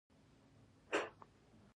دوی له خپلو محصولاتو ډېره ګټه ترلاسه کوله.